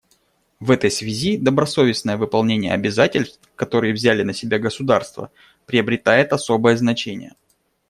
В этой связи добросовестное выполнение обязательств, которые взяли на себя государства, приобретает особое значение.